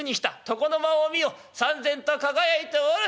床の間を見よさん然と輝いておる。